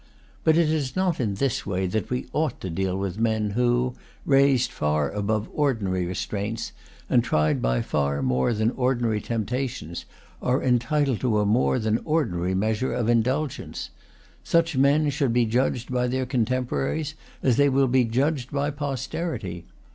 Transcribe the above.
But it is not in this way that we ought to deal with men who, raised far above ordinary restraints, and tried by far more than ordinary temptations, are entitled to a more than ordinary measure of indulgence. Such men should be judged by their contemporaries as they will be judged by posterity.